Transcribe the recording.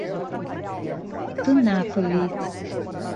Tunápolis